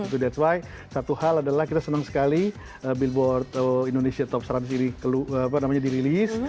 that's why satu hal adalah kita senang sekali billboard indonesia top seratus ini di rilis